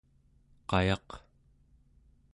qayaq